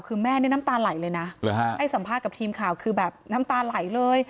คือแม่นี่น้ำตาไหลเลยนะให้สัมภาษณ์กับทีมข่าวคือแบบน้ำตาไหลเลย